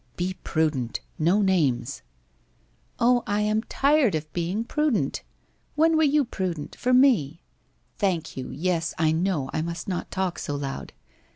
' Be prudent. No names !'* Oh, I am tired of being prudent. When were you pru dent — for me ?... Thank you. Yes, I know, I must not talk so loud.